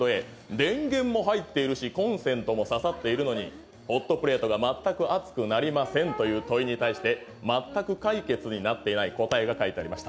電源も入っているしコンセントもささっているのにホットプレートが全く熱くなりませんという問いに対して全く解決になってない答えが書いてありました。